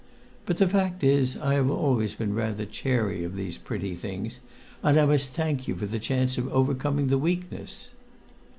But the fact is I have always been rather chary of these pretty things, and I must thank you for the chance of overcoming the weakness."